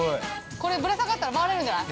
◆これ、ぶら下がったら回れるんじゃない？